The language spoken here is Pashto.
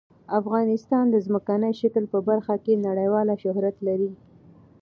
افغانستان د ځمکنی شکل په برخه کې نړیوال شهرت لري.